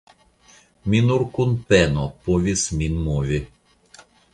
Mi nur kun peno povis min movi.